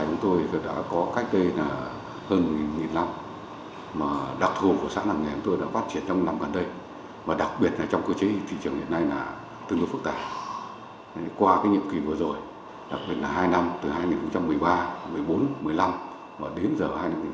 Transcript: nhiệm kỳ vừa rồi đặc biệt là hai năm từ hai nghìn một mươi ba hai nghìn một mươi bốn hai nghìn một mươi năm đến giờ hai nghìn một mươi bảy